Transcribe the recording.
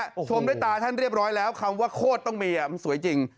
ชมด้วยตาท่านเรียบร้อยแล้วคำว่าโคตรต้องมีมันสวยจริง